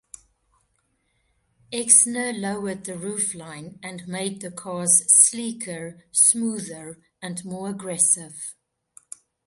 Exner lowered the roofline and made the cars sleeker, smoother and more aggressive.